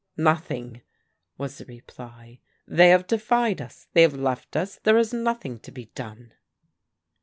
"Nothing," was the reply. "They have defied us. They have left us. There is nothing to be done."